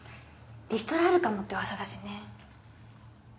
リストラあるかもって噂だしね。